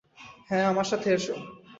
হ্যাঁ, আমার সাথে এসো।